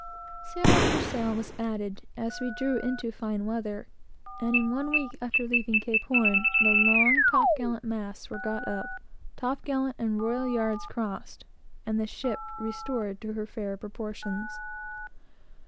Sail after sail was added, as we drew into fine weather; and in one week after leaving Cape Horn, the long topgallant masts were got up, topgallant and royal yards crossed, and the ship restored to her fair proportions.